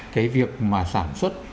cái việc mà sản xuất